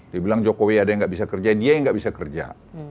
dia bilang jokowi ada yang nggak bisa kerja dia yang nggak bisa kerja